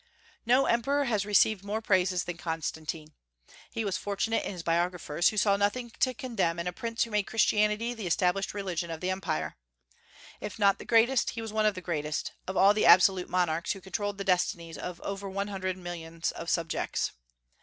No emperor has received more praises than Constantine. He was fortunate in his biographers, who saw nothing to condemn in a prince who made Christianity the established religion of the Empire. If not the greatest, he was one of the greatest, of all the absolute monarchs who controlled the destinies of over one hundred millions of subjects.